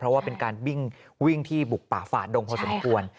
เพราะว่าเป็นการวิ่งที่บุกป่าฝ่าดงพอสมควร